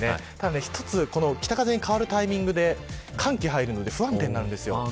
北風に変わるタイミングで寒気が入るので不安定になるんですよ。